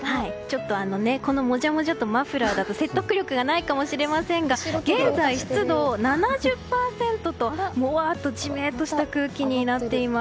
このもじゃもじゃとマフラーだと説得力がないかもしれませんが現在、湿度７０％ともわっと、ジメッとした空気になっています。